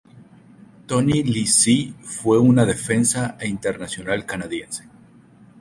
Tony Lecce fue un defensa e internacional canadiense.